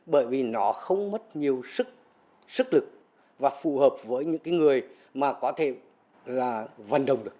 bởi vì nó không mất nhiều sức lực và phù hợp với những người có thể vận động được